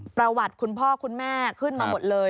ประวัติคุณพ่อคุณแม่ขึ้นมาหมดเลย